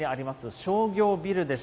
商業ビルです。